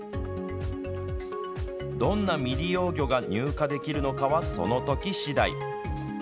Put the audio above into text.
どんな未利用魚が入荷できるのかはそのとき次第。